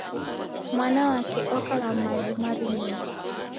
Mwana wake oka na madu maringifu.